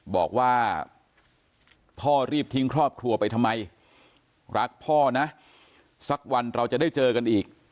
บอกว่าพ่อรีบทิ้งครอบครัวไปทำไมรักพ่อนะสักวันเราจะได้เจอกันอีก